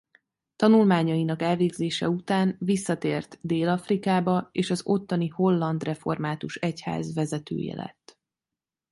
Tanulmányainak elvégzése után visszatért Dél-Afrikába és az ottani Holland Református Egyház vezetője lett.